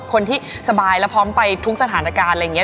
คนที่สบายแล้วพร้อมไปทุกสถานการณ์อะไรอย่างนี้